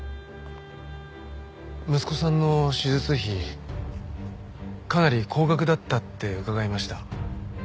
息子さんの手術費かなり高額だったって伺いました。